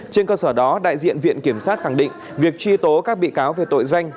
trên cơ sở đó đại diện viện kiểm sát khẳng định việc truy tố các bị cáo về tội danh